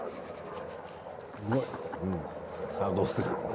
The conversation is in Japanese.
さあ、どうする。